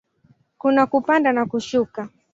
Kuna kupanda na kushuka.